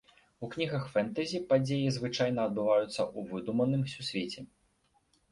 У кнігах фэнтэзі падзеі звычайна адбываюцца ў выдуманым сусвеце.